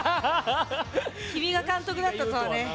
君が監督だったとはね。